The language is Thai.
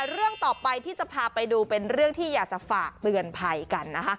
เรื่องต่อไปที่จะพาไปดูเป็นเรื่องที่อยากจะฝากเตือนภัยกันนะคะ